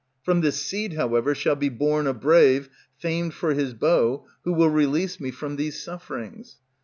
From this seed, however, shall be born a brave, Famed for his bow, who will release me From these sufferings.